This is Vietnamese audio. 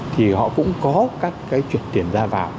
thì họ cũng có các cái chuyển tiền ra vào